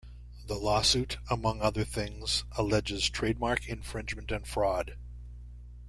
The lawsuit, among other things, alleges trademark infringement and fraud.